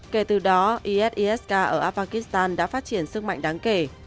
kể từ đó is isk ở afghanistan đã phát triển sức mạnh đáng kể